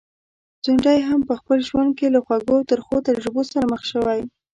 ځونډی هم په خپل ژوند کي له خوږو او ترخو تجربو سره مخ شوی.